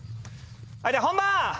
はいでは本番！